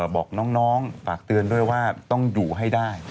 บอกน้องฝากเตือนด้วยว่าต้องอยู่ให้ได้